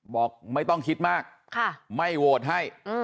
บอกไม่ต้องคิดมากไม่โหวตให้